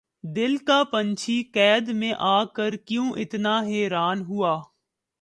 دل کا پنچھی قید میں آ کر کیوں اتنا حیران ہوا